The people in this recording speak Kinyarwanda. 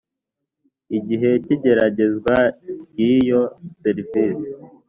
igihe cy’igeragezwa ry’iyo serivisi